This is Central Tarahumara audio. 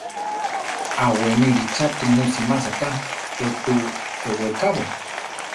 Aʼwéneli cha tumu simása ká, ké tu eʼwekábo?